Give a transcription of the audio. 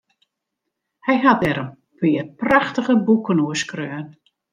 Hy hat dêr in pear prachtige boeken oer skreaun.